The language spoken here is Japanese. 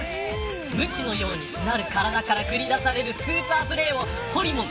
むちのようにしなる体から繰り出されるスーパープレーをほりもん